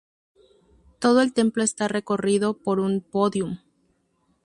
Todo el templo está recorrido por un pódium.